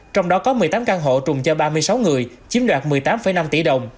trong đó có một mươi tám căn hộ trùng cho ba mươi sáu người chiếm đoạt một mươi tám năm tỷ đồng